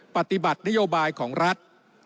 ปฏิบัตินโยบายของรัฐ